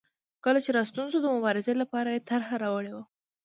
کله چې راستون شو د مبارزې لپاره یې طرحه راوړې وه.